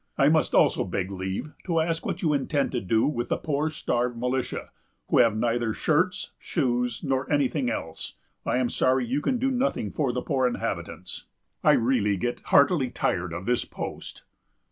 I must also beg leave to ask what you intend to do with the poor starved militia, who have neither shirts, shoes, nor any thing else. I am sorry you can do nothing for the poor inhabitants.... I really get heartily tired of this post."